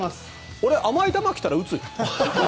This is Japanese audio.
俺、甘い球来たら打つよ。